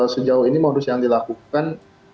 sejauh ini modus yang dilakukan